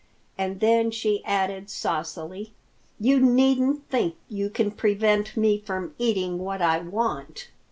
And then she added saucily, "You needn't think you can prevent me from eating what I want!"